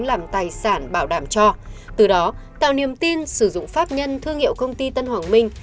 làm tài sản bảo đảm cho từ đó tạo niềm tin sử dụng pháp nhân thương hiệu công ty tân hoàng minh